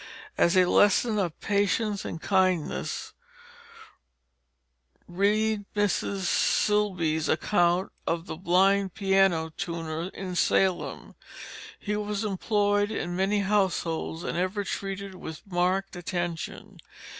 As a lesson of patience and kindness, read Mrs. Silsbee's account of the blind piano tuner in Salem. He was employed in many households and ever treated with marked attention.